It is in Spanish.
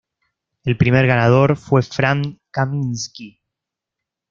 El primer ganador fue Frank Kaminsky.